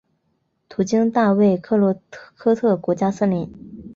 途经大卫克洛科特国家森林。